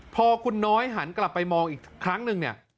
พอคุณน้อยหันกลับไปมองอีกครั้งนึงเนี่ย